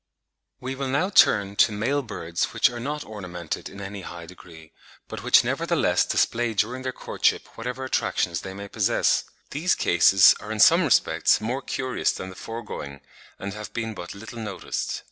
We will now turn to male birds which are not ornamented in any high degree, but which nevertheless display during their courtship whatever attractions they may possess. These cases are in some respects more curious than the foregoing, and have been but little noticed.